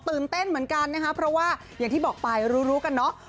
เต้นเหมือนกันนะคะเพราะว่าอย่างที่บอกไปรู้รู้กันเนอะ